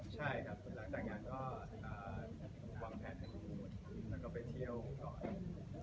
ใช่ครับหลังแต่งานก็วางแผ่นไฮนดีมูลแล้วก็ไปเที่ยวก่อน